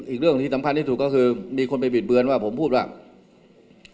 อีกเรื่องที่สำคัญที่สุดก็คือมีคนไปบิดเบือนว่าผมพูดว่า